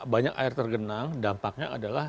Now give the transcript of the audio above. banyak air tergenang dampaknya adalah